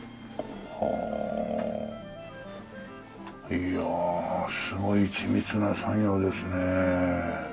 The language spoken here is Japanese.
いやあすごい緻密な作業ですね。